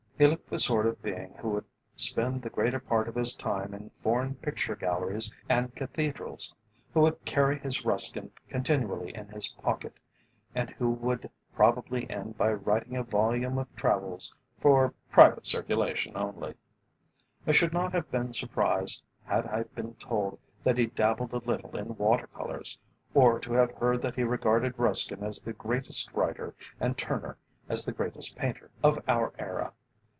He looked the sort of being who would spend the greater part of his time in foreign picture galleries and cathedrals; who would carry his Ruskin continually in his pocket, and who would probably end by writing a volume of travels "for private circulation only." I should not have been surprised had I been told that he dabbled a little in water colours, or to have heard that he regarded Ruskin as the greatest writer, and Turner as the greatest painter, of our era.